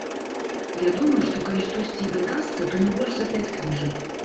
Я думаю, што калі штосьці і дадасца, то не больш за пяць кніжак.